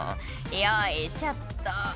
「よいしょっと」